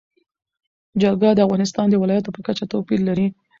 جلګه د افغانستان د ولایاتو په کچه توپیر لري.